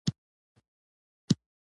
زه ناجوړه یم Self Citation